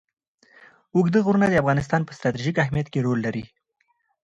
اوږده غرونه د افغانستان په ستراتیژیک اهمیت کې رول لري.